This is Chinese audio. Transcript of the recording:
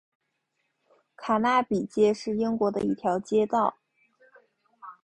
卡纳比街是英国的一条街道。